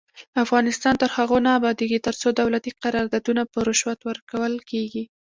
افغانستان تر هغو نه ابادیږي، ترڅو دولتي قراردادونه په رشوت ورکول کیږي.